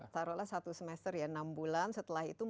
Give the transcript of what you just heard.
taruhlah satu semester ya enam bulan setelah itu